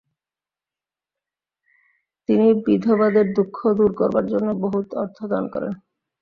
তিনি বিধবাদের দুংখ দূর করবার জন্য বহু অর্থ দান করেন।